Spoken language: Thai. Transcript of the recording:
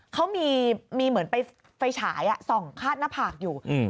เขามีมีเหมือนไปไฟฉายอ่ะส่องคาดหน้าผากอยู่อืม